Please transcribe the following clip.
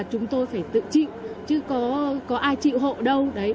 rượu chịu chứ có ai chịu hộ đâu